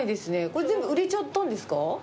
これ、全部売れちゃったんですか？